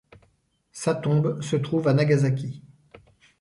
Sa tombe se trouve à Nagasaki.